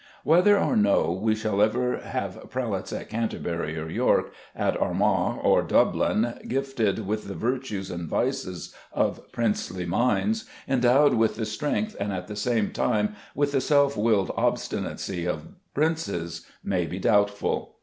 Whether or no we shall ever have prelates at Canterbury or York, at Armagh or Dublin, gifted with the virtues and vices of princely minds, endowed with the strength and at the same time with the self willed obstinacy of princes, may be doubtful.